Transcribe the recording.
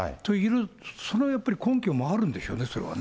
そのやっぱり根拠があるんでしょうね、それはね。